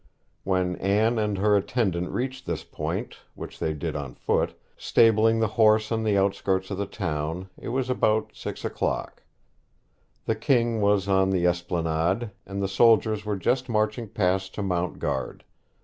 When Anne and her attendant reached this point, which they did on foot, stabling the horse on the outskirts of the town, it was about six o'clock. The King was on the Esplanade, and the soldiers were just marching past to mount guard.